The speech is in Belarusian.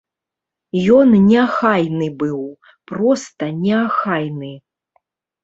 Ён неахайны быў, проста неахайны.